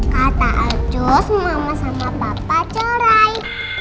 kata ajus mama sama papa cerai